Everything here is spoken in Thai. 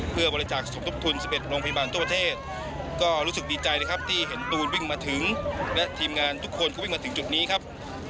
เพื่อบริจาคสมทบทุน๑๑โรงพยาบาลทั่วประเทศก็รู้สึกดีใจนะครับที่เห็นตูนวิ่งมาถึงและทีมงานทุกคนก็วิ่งมาถึงจุดนี้ครับ